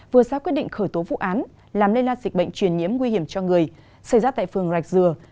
vừa ra quyết định khởi tố vụ án làm lây lan dịch bệnh truyền nhiễm nguy hiểm cho người xảy ra tại phường rạch dừa